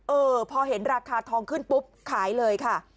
เออพอเห็นราคาทองขึ้นปุ๊บขายเลยค่ะ